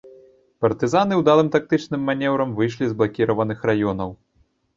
Партызаны ўдалым тактычным манеўрам выйшлі з блакіраваных раёнаў.